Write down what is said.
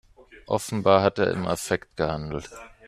Offenbar hat er im Affekt gehandelt.